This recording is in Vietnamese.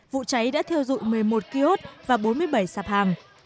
vụ cháy đã thiêu dụi một mươi một kiosk và bốn mươi bảy sạp hàng